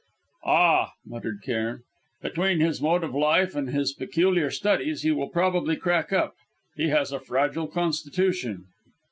"Ah!" muttered Cairn, "between his mode of life and his peculiar studies he will probably crack up. He has a fragile constitution."